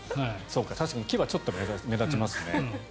確かにちょっと牙が目立ちますね。